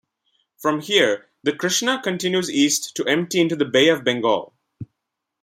From here the Krishna continues east to empty into the Bay of Bengal.